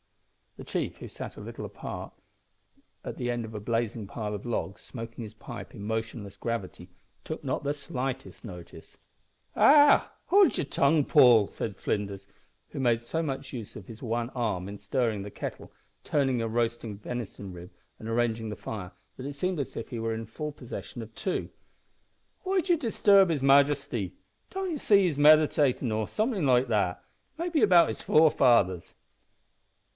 The chief, who sat a little apart near the farther end of the blazing pile of logs, smoking his pipe in motionless gravity, took not the slightest notice. "Arrah! howld yer tongue, Paul," said Flinders, who made so much use of his one arm, in stirring the kettle, turning a roasting venison rib, and arranging the fire, that it seemed as if he were in full possession of two; "why d'ye disturb his majesty? Don't ye see that he's meditatin', or suthin' o' that sort maybe about his forefathers?"